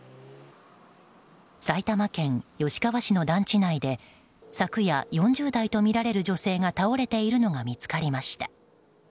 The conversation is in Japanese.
埼玉県吉川市の団地内で昨夜、４０代とみられる女性が倒れているのが見つかりました。